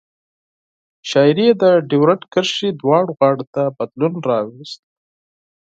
شاعري یې د ډیورند کرښې دواړو غاړو ته بدلون راوست.